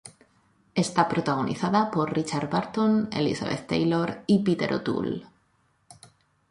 Está protagonizada por Richard Burton, Elizabeth Taylor y Peter O'Toole.